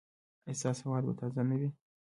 ایا ستاسو هوا به تازه نه وي؟